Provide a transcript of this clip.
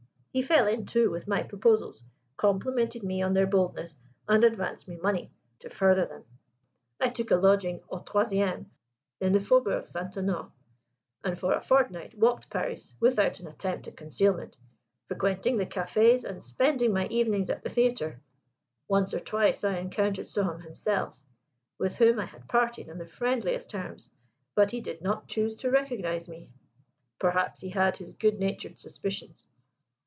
"He fell in, too, with my proposals, complimented me on their boldness, and advanced me money to further them. I took a lodging au troisieme in the Faubourg St. Honore, and for a fortnight walked Paris without an attempt at concealment, frequenting the cafes, and spending my evenings at the theatre. Once or twice I encountered Souham himself, with whom I had parted on the friendliest terms: but he did not choose to recognise me perhaps he had his good natured suspicions.